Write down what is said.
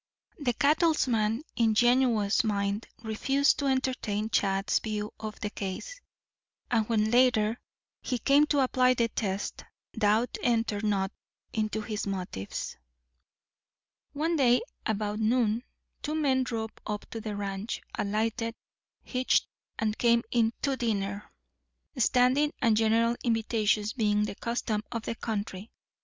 The cattleman's ingenuous mind refused to entertain Chad's view of the case, and when, later, he came to apply the test, doubt entered not into his motives. One day, about noon, two men drove up to the ranch, alighted, hitched, and came in to dinner; standing and general invitations being the custom of the country.